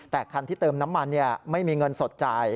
แต่คันที่เติมน้ำมันไม่มีเงินสดจ่าย